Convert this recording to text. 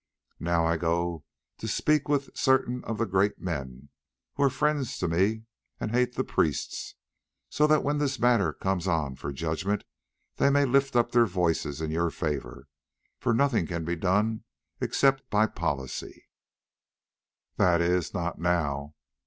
"Now I go to speak with certain of the great men who are friends to me and hate the priest, so that when this matter comes on for judgment they may lift up their voices in your favour, for nothing can be done except by policy—that is, not now.